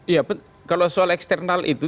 iya kalau soal eksternal itu